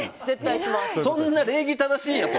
そんな礼儀正しいやつ